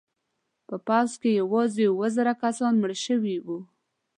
په پوځ کې یوازې اوه زره کسان مړه شوي وو.